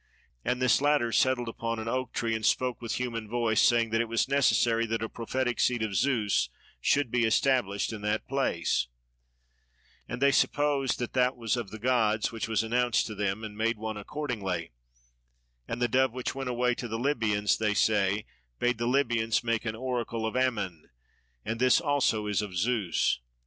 And this latter settled upon an oak tree and spoke with human voice, saying that it was necessary that a prophetic seat of Zeus should be established in that place; and they supposed that that was of the gods which was announced to them, and made one accordingly: and the dove which went away to the Libyans, they say, bade the Libyans make an Oracle of Ammon; and this also is of Zeus.